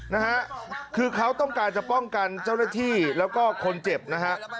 นะฮะคือเขาต้องการจะป้องกันเจ้าหน้าที่แล้วก็คนเจ็บนะฮะ